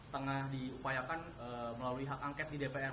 tengah diupayakan melalui hak angket di dpr